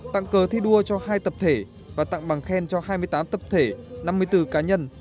tặng cờ thi đua cho hai tập thể và tặng bằng khen cho hai mươi tám tập thể năm mươi bốn cá nhân